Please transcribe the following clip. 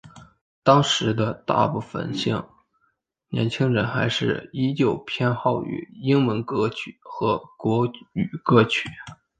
当时的大部份年轻人还是依旧偏好于英文歌曲和国语歌曲。